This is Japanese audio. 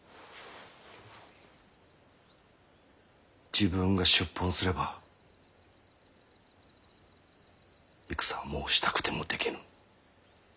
自分が出奔すれば戦はもうしたくてもできぬ。